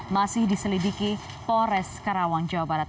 masih diselidiki polres karawang jawa barat